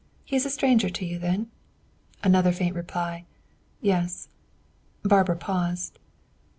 He is a stranger to you, then?" Another faint reply. "Yes." Barbara paused.